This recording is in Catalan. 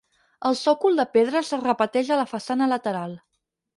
El sòcol de pedra es repeteix a la façana lateral.